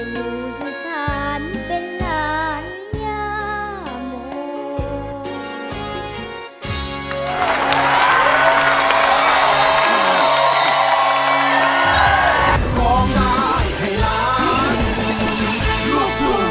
แต่อยู่ที่ศาลเป็นนานยาโม